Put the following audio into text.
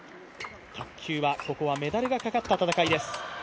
卓球はメダルがかかった戦いです。